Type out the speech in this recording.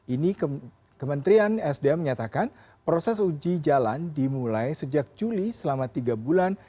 ini kementerian sdm menyatakan proses uji jalan dimulai sejak juli selama tiga bulan